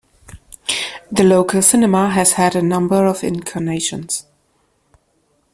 The local cinema has had a number of incarnations.